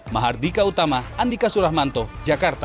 mahardika utama andika suramanto jakarta